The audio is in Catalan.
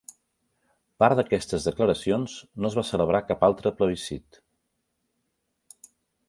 Apart d'aquestes declaracions, no es va celebrar cap altre plebiscit.